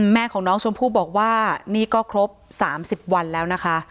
แม่ของน้องชมพู่บอกว่านี่ก็ครบ๓๐วันแล้วนะคะ